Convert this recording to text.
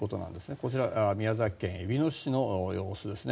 こちらは宮崎県えびの市の様子ですね。